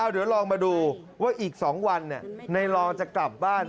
เดี๋ยวลองมาดูว่าอีก๒วันในรองจะกลับบ้าน